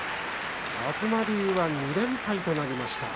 東龍は２連敗となりました。